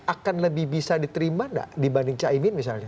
akan lebih bisa diterima tidak dibanding cahimin misalnya